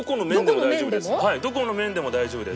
どこの面でも大丈夫です。